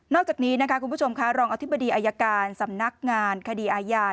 จากนี้นะคะคุณผู้ชมค่ะรองอธิบดีอายการสำนักงานคดีอาญา